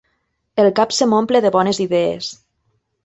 El cap se m'omple de bones idees.